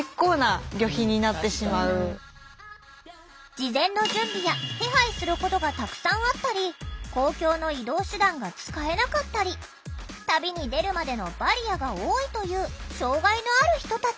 事前の準備や手配することがたくさんあったり公共の移動手段が使えなかったり旅に出るまでのバリアが多いという障害のある人たち。